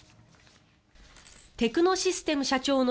テクノシステム社長の